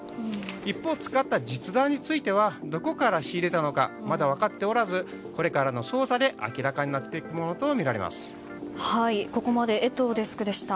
一方、使った実弾についてはどこから仕入れたのかまだ分かっておらずこれからの捜査で明らかになってくるものとここまで江藤デスクでした。